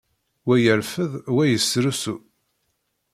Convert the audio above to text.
Wa ireffed, wa yesrusu.